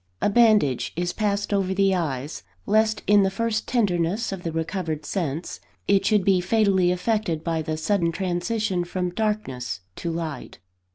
A bandage is passed over the eyes, lest in the first tenderness of the recovered sense, it should be fatally affected by the sudden transition from darkness to light.